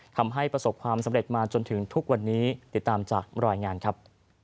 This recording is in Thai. ทำให้ประสบความสำเร็จมาจนถึงทุกวันนี้ติดตามจากรายงานครับ